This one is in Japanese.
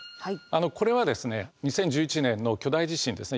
これはですね２０１１年の巨大地震ですね